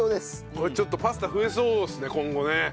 これちょっとパスタ増えそうですね今後ね。